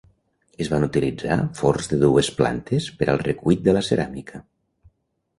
Es van utilitzar forns de dues plantes per al recuit de la ceràmica.